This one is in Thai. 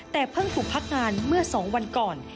แต่เพิ่งถูกพักงานเมื่อ๒วันก่อน